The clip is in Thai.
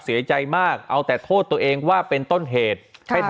เสียใจมากเอาแต่โทษตัวเองว่าเป็นต้นเหตุ